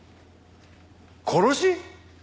殺し？